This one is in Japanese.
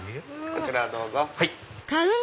こちらどうぞ。